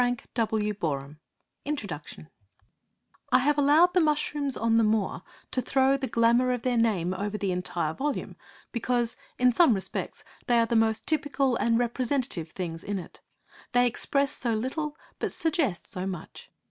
LILY BY WAY OF INTRODUCTION I have allowed the Mushrooms on the Moor to throw the glamour of their name over the entire volume because, in some respects, they are the most typical and representative things in it. They express so little but suggest so much!